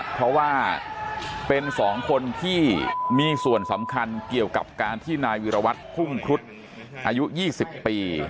เพราะว่าเป็น๒คนที่มีส่วนสำคัญเกี่ยวกับการที่นายวิรวัตรพุ่งครุฑอายุ๒๐ปี